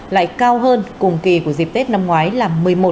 lại cao hơn cùng kỳ của dịp tết năm ngoái là một mươi một một